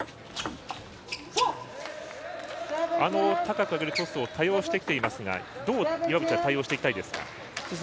高く上げるトスを多用してきていますがどう岩渕は対応していきたいですか？